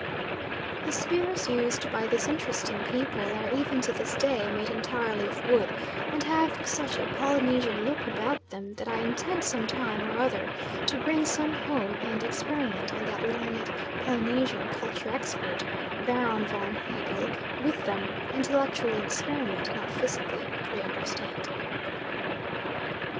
The spears used by this interesting people are even to this day made entirely of wood, and have such a Polynesian look about them that I intend some time or other to bring some home and experiment on that learned Polynesian culture expert, Baron von Hugel, with them: intellectually experiment, not physically, pray understand.